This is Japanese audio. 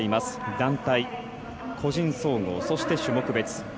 団体、個人総合、そして種目別。